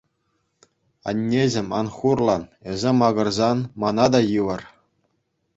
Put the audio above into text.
Аннеҫӗм, ан хурлан, эсӗ макӑрсан мана та йывӑр.